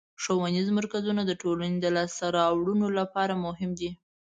ښوونیز مرکزونه د ټولنې د لاسته راوړنو لپاره مهم دي.